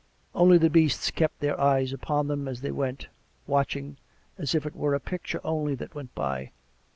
Only the beasts kept their eyes upon them, as they went, watching, as if it were a picture only that went by.